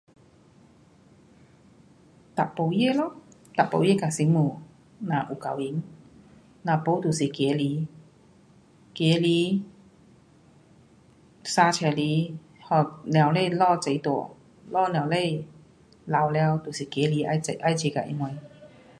男孩儿咯，男孩儿跟媳妇若就结婚。若不就是儿子，儿子生出来给母亲父亲顾大，父母亲老了就是儿子得要养到他们。